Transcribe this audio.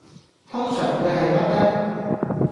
通常會係乜呢